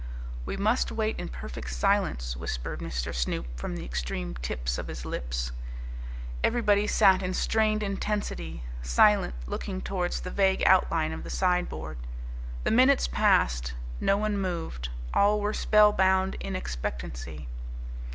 "We must wait in perfect silence," whispered Mr. Snoop from the extreme tips of his lips. Everybody sat in strained intensity, silent, looking towards the vague outline of the sideboard. The minutes passed. No one moved. All were spellbound in expectancy.